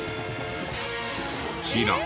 こちら。